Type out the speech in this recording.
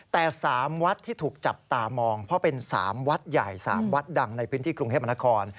แต่๓วัดที่ถูกจับตามองเพราะเป็น๓วัดใหญ่๓วัดดังในพื้นที่กรุงเทพมนาคม